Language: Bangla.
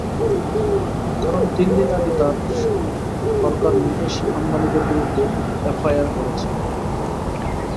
কারণ, তিন দিন আগে তাঁর সরকার মুকেশ আম্বানিদের বিরুদ্ধে এফআইআর করেছে।